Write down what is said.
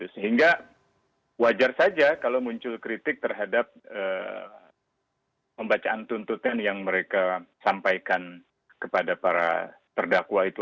sehingga wajar saja kalau muncul kritik terhadap pembacaan tuntutan yang mereka sampaikan kepada para terdakwa itu